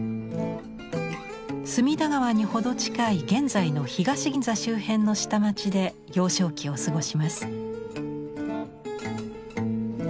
隅田川に程近い現在の東銀座周辺の下町で幼少期を過ごします。